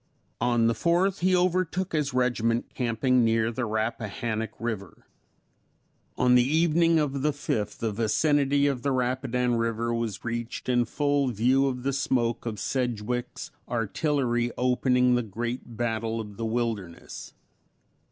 On the 4th, he overtook his regiment camping near the Rappahannock river; on the evening of the 5th the vicinity of the Rapidan river was reached in full view of the smoke of Sedgwick's artillery opening the great battle of the Wilderness.